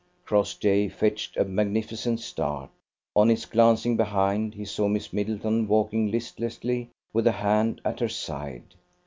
Crossjay fetched a magnificent start. On his glancing behind he saw Miss Middleton walking listlessly, with a hand at her side.